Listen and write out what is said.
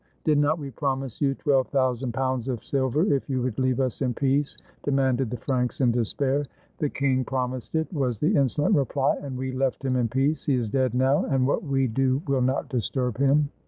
"Did not we promise you twelve thousand pounds of silver if you would leave us in peace?" demanded the Franks in despair. "The king promised it," was the insolent reply, "and we left him in peace. He is dead now, and what we do will not disturb him."